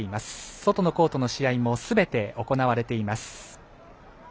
外のコートの試合もすべて行われています。